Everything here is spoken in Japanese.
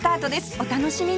お楽しみに！